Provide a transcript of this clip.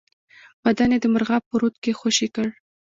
بدن یې د مرغاب په رود کې خوشی کړ.